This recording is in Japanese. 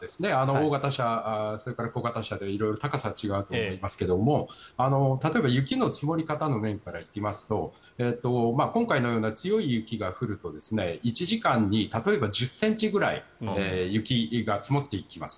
大型車、それから小型車で色々、高さは違うと思いますが例えば雪の積もり方の面からいきますと今回のような強い雪が降ると１時間に例えば、１０ｃｍぐらい雪が積もっていきます。